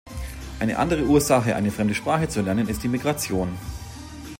Eine andere Ursache eine fremde Sprache zu erlernen ist die Migration.